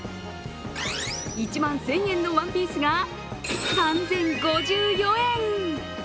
１万１０００円のワンピースが３０５４円。